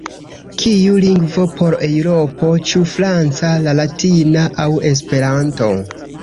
Kiu lingvo por Eŭropo: ĉu franca, la latina aŭ Esperanto?"“.